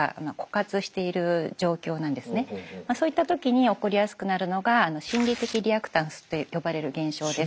そういった時に起こりやすくなるのが心理的リアクタンスと呼ばれる現象です。